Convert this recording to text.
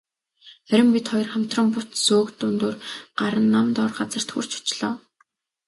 Харин бид хоёр хамтран бут сөөг дундуур гаран нам доор газарт хүрч очлоо.